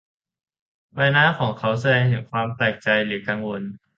ใบหน้าของเขาแสดงถึงความแปลกใจหรือกังวล